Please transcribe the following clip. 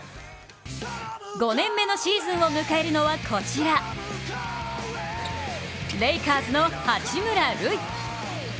５年目のシーズンを迎えるのはこちら、レイカーズの八村塁。